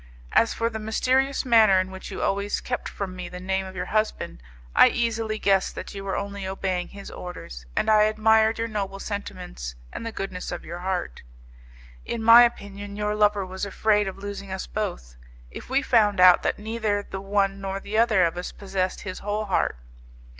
As for the mysterious manner in which you always kept from me the name of your husband, I easily guessed that you were only obeying his orders, and I admired your noble sentiments and the goodness of your heart. In my opinion your lover was afraid of losing us both, if we found out that neither the one nor the other of us possessed his whole heart.